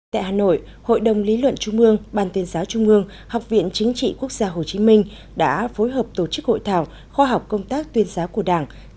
tại hà nội hội đồng lý luận trung mương ban tuyên giáo trung ương học viện chính trị quốc gia hồ chí minh đã phối hợp tổ chức hội thảo khoa học công tác tuyên giáo của đảng